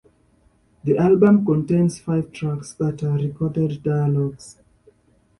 The album contains five tracks that are recorded dialogues.